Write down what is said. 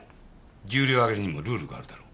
重量挙げにもルールがあるだろう？